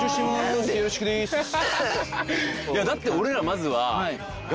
だって俺らまずは。